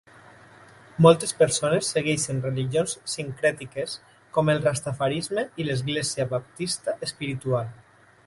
Moltes persones segueixen religions sincrètiques com el rastafarisme i l'església baptista espiritual.